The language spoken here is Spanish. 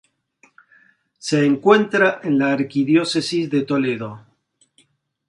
Se encuentra en la archidiócesis de Toledo.